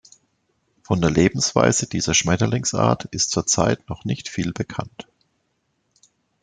Von der Lebensweise dieser Schmetterlingsart ist zurzeit noch nicht viel bekannt.